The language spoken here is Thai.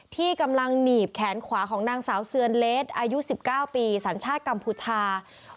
ที่กำลังหนีบแขนขวาของนางสาวเซียนเลสอายุ๑๙ปีสัญชาติกัมพูชา